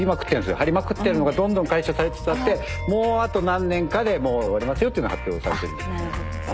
張りまくってるのがどんどん回収されつつあってもうあと何年かで終わりますよっていうのは発表されてる。